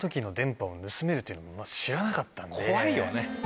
怖いよね。